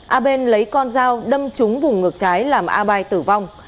a bên lấy con dao đâm trúng vùng ngược trái làm a bai tử vong